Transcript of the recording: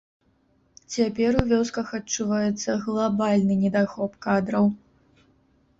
Цяпер у вёсках адчуваецца глабальны недахоп кадраў.